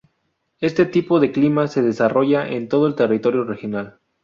Este tipo de clima se desarrolla en todo el territorio regional.